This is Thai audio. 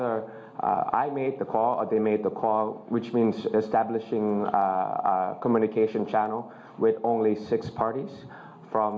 และจะเป็นผู้โปรแฟที่จะร่วมงานกันไหมครับ